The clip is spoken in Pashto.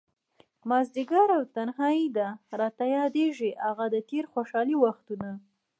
مازديګری او تنهائي ده، راته ياديږي هغه تير خوشحال وختونه